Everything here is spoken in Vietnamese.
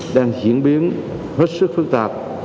đang diễn biến hết sức phức tạp